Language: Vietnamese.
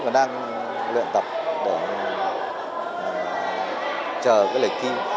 và đang luyện tập để chờ cái lệch thi